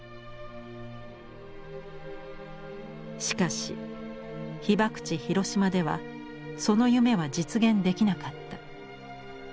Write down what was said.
しかし被爆地広島ではその夢は実現できなかった。